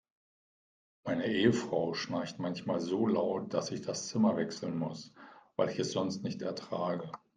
Meine Ehefrau schnarcht manchmal so laut, dass ich das Zimmer wechseln muss, weil ich es sonst nicht ertrage.